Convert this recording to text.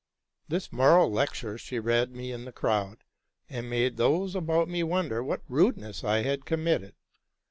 This moral lecture she read me in the crowd, and made those about me wonder what rudeness I had committed.